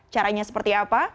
caranya seperti apa